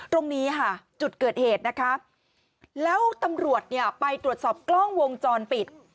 ตรงนี้ค่ะจุดเกิดเหตุนะคะแล้วตำรวจเนี่ยไปตรวจสอบกล้องวงจรปิด